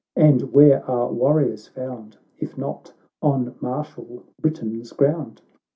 — and where are warriors found, If not on martial Britain's ground